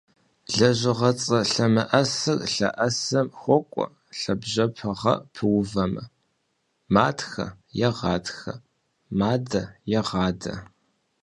Лэжьыгъэцӏэ лъэмыӏэсыр лъэӏэсым хуокӏуэ лъабжьэпэ - гъэ пыувэмэ: матхэ - егъатхэ, мадэ - егъадэ.